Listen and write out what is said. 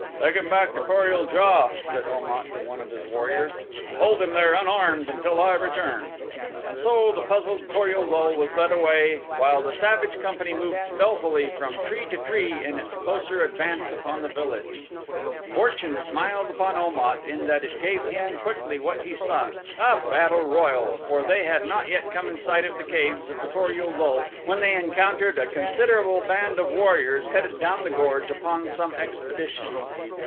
"Take him back to Kor ul JA," said Om at, to one of his warriors, "and hold him there unharmed until I return." And so the puzzled Kor ul lul was led away while the savage company moved stealthily from tree to tree in its closer advance upon the village. Fortune smiled upon Om at in that it gave him quickly what he sought a battle royal, for they had not yet come in sight of the caves of the Kor ul lul when they encountered a considerable band of warriors headed down the gorge upon some expedition.